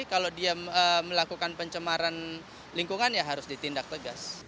kalau dia melakukan pencemaran lingkungan ya harus ditindak tegas